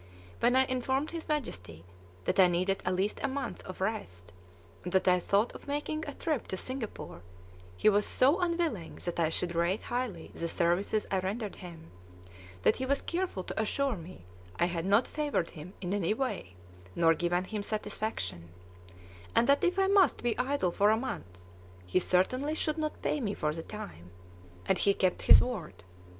When I informed his Majesty that I needed at least a month of rest, and that I thought of making a trip to Singapore, he was so unwilling that I should rate highly the services I rendered him, that he was careful to assure me I had not "favored" him in any way, nor given him satisfaction; and that if I must be idle for a month, he certainly should not pay me for the time; and he kept his word.